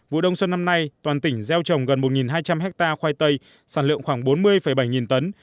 vụ đông xuân năm nay toàn tỉnh gieo trồng gần một hai trăm linh hectare khoai tây sản lượng khoảng bốn mươi bảy nghìn tấn